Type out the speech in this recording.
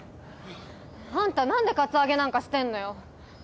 アンタなんでカツアゲなんかしてんのよ？